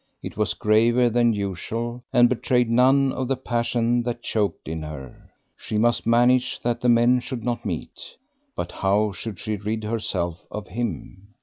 It was graver than usual, and betrayed none of the passion that choked in her. She must manage that the men should not meet. But how should she rid herself of him?